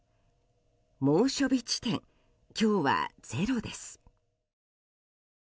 猛暑日地点、今日はゼロです。